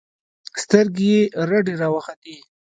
سترګې يې رډې راوختې.